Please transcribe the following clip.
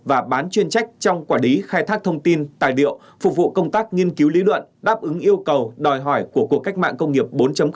và bán chuyên trách trong quản lý khai thác thông tin tài liệu phục vụ công tác nghiên cứu lý luận đáp ứng yêu cầu đòi hỏi của cuộc cách mạng công nghiệp bốn